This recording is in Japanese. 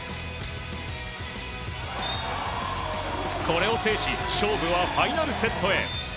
これを制し勝負はファイナルセットへ。